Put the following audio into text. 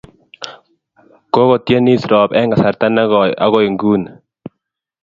Kokotyenis Rop eng' kasarta ne koy akoi nguni.